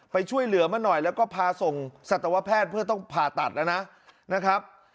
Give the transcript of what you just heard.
ไปช่วยเหลือมาหน่อยแล้วก็พาส่งสัตวแพทย์เพื่อต้องผ่าตัดแล้วนะนะครับ